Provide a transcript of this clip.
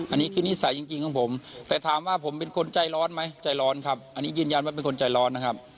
อันนี้คือนิสัยจริงของผมแต่ถามว่าผมเป็นคนใจร้อนไหมใจร้อนครับอันนี้ยืนยันว่าเป็นคนใจร้อนนะครับ